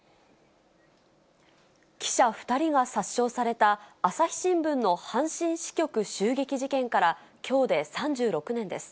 記者２人が殺傷された朝日新聞の阪神支局襲撃事件からきょうで３６年です。